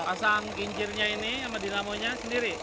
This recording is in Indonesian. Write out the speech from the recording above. pasang kincirnya ini sama dinamo nya sendiri